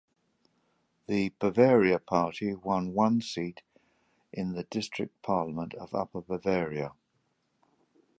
The Bavaria Party won one seat in the District Parliament of Upper Bavaria.